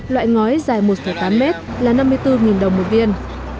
loại ngói dài một tám mét là năm mươi bốn đồng một viên